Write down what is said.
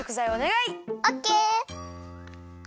オッケー！